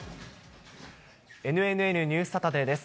ＮＮＮニュースサタデーです。